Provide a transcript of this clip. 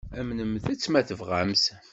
Amnemt-tt, ma tebɣamt.